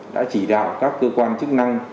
đã chỉ đạo các cơ quan chức năng